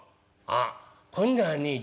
「あっ今度はね